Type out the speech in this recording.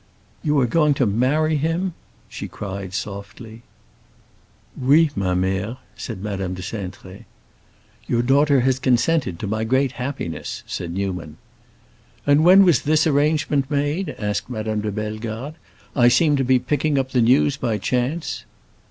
"You are going to marry him?" she cried, softly. "Oui, ma mère," said Madame de Cintré. "Your daughter has consented, to my great happiness," said Newman. "And when was this arrangement made?" asked Madame de Bellegarde. "I seem to be picking up the news by chance!"